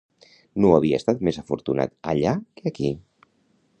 No havia estat més afortunat allà que aquí.